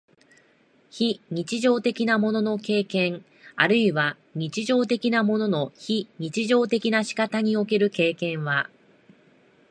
非日常的なものの経験あるいは日常的なものの非日常的な仕方における経験は、